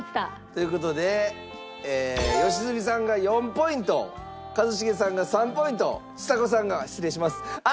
という事で良純さんが４ポイント一茂さんが３ポイントちさ子さんが失礼します。